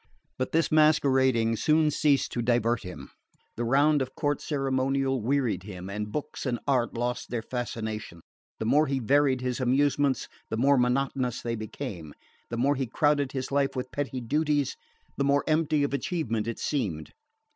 But this masquerading soon ceased to divert him. The round of court ceremonial wearied him, and books and art lost their fascination. The more he varied his amusements the more monotonous they became, the more he crowded his life with petty duties the more empty of achievement it seemed.